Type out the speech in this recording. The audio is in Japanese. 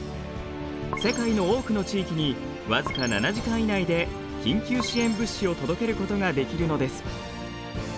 世界の多くの地域に僅か７時間以内で緊急支援物資を届けることができるのです。